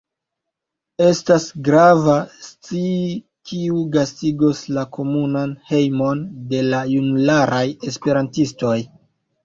Estas grava scii kiu gastigos la komunan hejmon de la junularaj esperantistoj